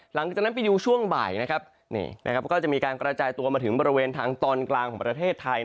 หลังจากนั้นไปดูช่วงบ่ายนะครับก็จะมีการกระจายตัวมาถึงบริเวณทางตอนกลางของประเทศไทย